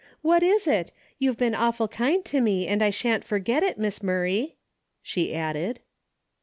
"What is it ? You've been awful kind to me and I sha'n't forget it, Miss Murray," she added.